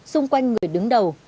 xung quanh người đứng đầu